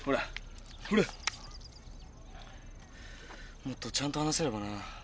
もっとちゃんと話せればな。